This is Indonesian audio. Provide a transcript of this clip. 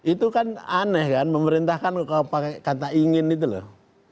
itu kan aneh kan memerintahkan kalau pakai kata ingin itu loh